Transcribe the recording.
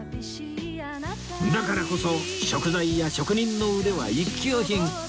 だからこそ食材や職人の腕は一級品